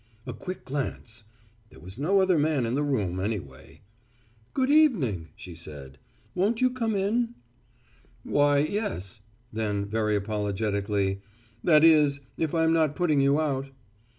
A quick glance. There was no other man in the room, anyway. "Good evening," she said. "Won't you come in?" "Why, yes," then very apologetically; "that is, if I'm not putting you out."